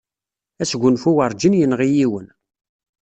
Asgunfu werǧin yenɣi yiwen.